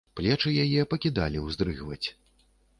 Плечы яе пакідалі ўздрыгваць.